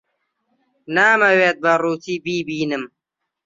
نامەوێت بە ڕووتی بیبینم.